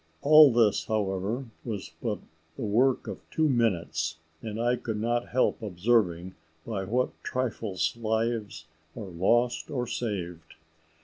All this, however, was but the work of two minutes; and I could not help observing by what trifles lives are lost or saved.